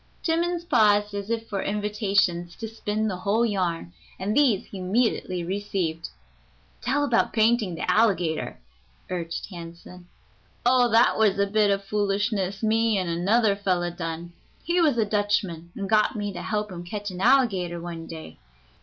Timmans paused as if for invitations to spin the whole yarn, and these he immediately received. "Tell about painting the alligator," urged Hansen. "Oh, that was a bit of foolishness me an' another fellow done. He was a Dutchman, and got me to help him catch an alligator one day.